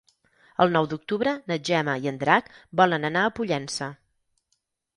El nou d'octubre na Gemma i en Drac volen anar a Pollença.